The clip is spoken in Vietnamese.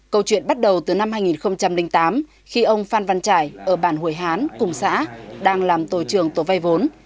câu chuyện bắt đầu từ năm hai nghìn tám khi ông phan văn trải ở bản hồi hán cùng xã đang làm tổ trưởng tổ vay vốn